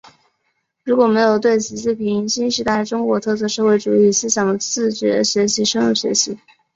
如果没有对习近平新时代中国特色社会主义思想的自觉学习深入学习